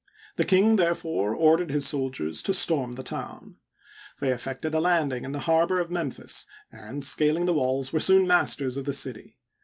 The king, therefore, ordered his soldiers to storm the town. They effected a landing in the harbor of Memphis, and, scaling the walls, were soon masters of the city.